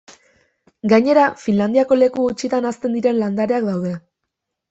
Gainera, Finlandiako leku gutxitan hazten diren landareak daude.